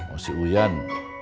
oh si uyan